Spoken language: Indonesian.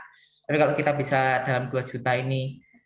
tapi kalau kita bisa dalam dua juta ini